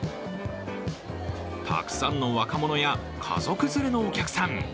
たくさんの若者や家族連れのお客さん。